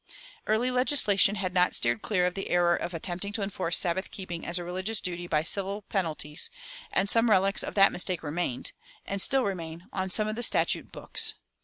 Early legislation had not steered clear of the error of attempting to enforce Sabbath keeping as a religious duty by civil penalties; and some relics of that mistake remained, and still remain, on some of the statute books.